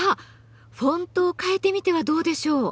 フォントを変えてみてはどうでしょう？